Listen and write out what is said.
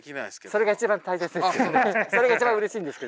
それが一番大切です。